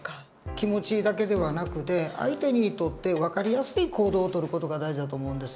気持ちだけではなくて相手にとって分かりやすい行動を取る事が大事だと思うんです。